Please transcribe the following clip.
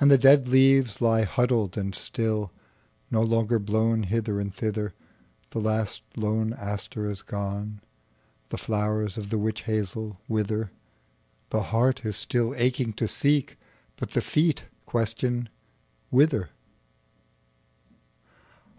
And the dead leaves lie huddled and still, No longer blown hither and thither; The last lone aster is gone; The flowers of the witch hazel wither; The heart is still aching to seek, But the feet question 'Whither?